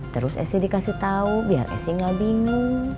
terus esy dikasih tau biar esy gak bingung